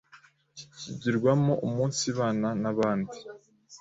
kikigirwamo umunsibana n’abandi.